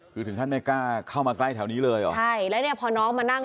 คือถึงขั้นไม่กล้าเข้ามาใกล้แถวนี้เลยเหรอใช่แล้วเนี่ยพอน้องมานั่ง